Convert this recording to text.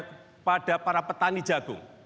kepada para petani jagung